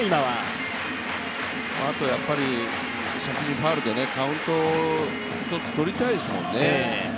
あと先にファウルでカウント１つとりたいですもんね。